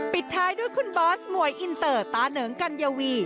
ปิดท้ายด้วยคุณบอสมวยอินเตอร์ตาเหนิงกัญญาวี